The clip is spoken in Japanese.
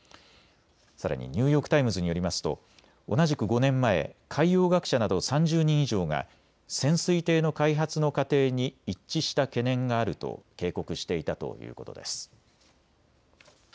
さらにニューヨーク・タイムズによりますと同じく５年前、海洋学者など３０人以上が潜水艇の開発の過程に一致した懸念があると警告していたということです。